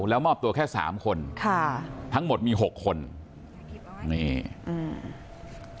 แล้วมอบตัวแค่สามคนค่ะทั้งหมดมีหกคนนี่อืม